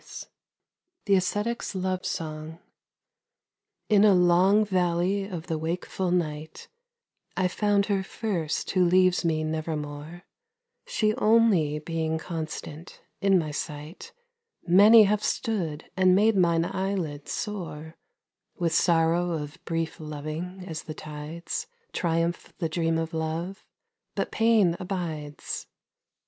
137 THE ASCETIC'S LOVE SONG IN a long valley of the wakeful night I found her first who leaves me nevermore, She only being constant, in my sight Many have stood and made mine eyelids sore With sorrow of brief loving, as the tides Triumph the dream of love, but Pain abides.